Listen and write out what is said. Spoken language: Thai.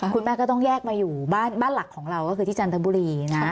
คุณแม่ก็ต้องแยกมาอยู่บ้านหลักของเราก็คือที่จันทบุรีนะ